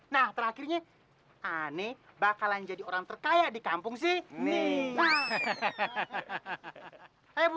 nah terakhirnya ane bakalan jadi orang terkaya di kampung sini